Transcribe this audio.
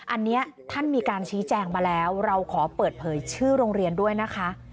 อันนี้ท่านมีการชี้แจงมาแล้วเราขอเปิดเผยชื่อโรงเรียนด้วยนะคะ